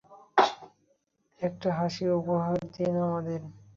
একটা হাসি উপহার দিন আমাদের!